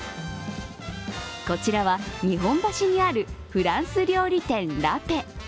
こちらは日本橋にあるフランス料理店ラペ。